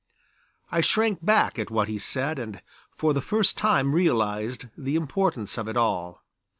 I shrank back at what he said, and for the first time realized the importance of it all.